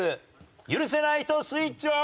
許せない人スイッチオン！